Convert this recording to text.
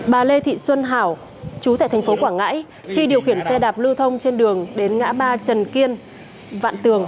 bà lê thị xuân hảo chú tại thành phố quảng ngãi khi điều khiển xe đạp lưu thông trên đường đến ngã ba trần kiên vạn tường